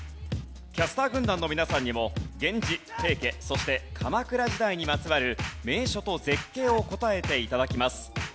キャスター軍団の皆さんにも源氏平家そして鎌倉時代にまつわる名所と絶景を答えて頂きます。